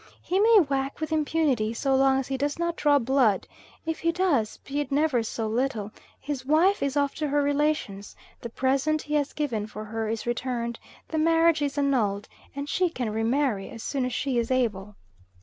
He may whack with impunity so long as he does not draw blood; if he does, be it never so little, his wife is off to her relations, the present he has given for her is returned, the marriage is annulled, and she can re marry as soon as she is able.